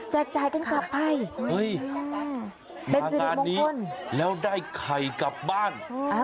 แจกกันกลับไปเห้ยมางานนี้แล้วได้ไข่กลับบ้าน